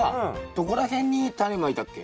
どこら辺にタネまいたっけ？